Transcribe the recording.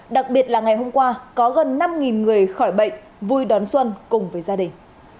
đặc biệt là ngày hôm qua có gần năm người khỏi bệnh vui đón xuân cùng với gia đình